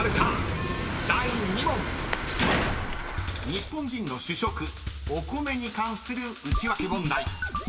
［日本人の主食お米に関するウチワケ問題］